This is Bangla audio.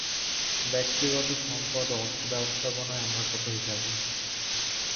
ব্যক্তিগত সম্পদ ও অর্থ ব্যবস্থাপনায় আমরা কত হিসাবি।